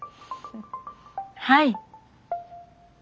はい！